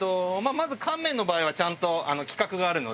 まず乾麺の場合はちゃんと規格があるので。